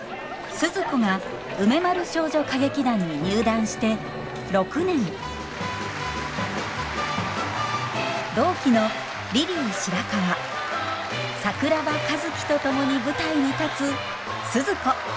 スズ子が梅丸少女歌劇団に入団して６年同期のリリー白川桜庭和希と共に舞台に立つスズ子。